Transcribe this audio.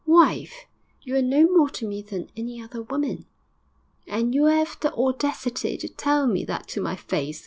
'Wife! You are no more to me than any other woman!' 'And you 'ave the audacity to tell me that to my face!